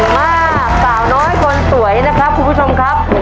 ถูกครับเส้นมากสาวน้อยคนสวยนะครับคุณผู้ชมครับ